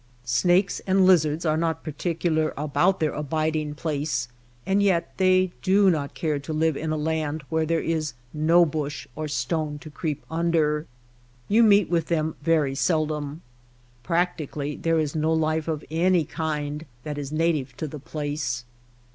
Snakes and lizards are not particular about their abiding place, and yet they do not care to live in a land where there is no bush or stone to creep under. You meet with them very seldom. Practically there is no life of any kind that is native to the place.